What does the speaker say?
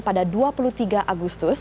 pada dua puluh tiga agustus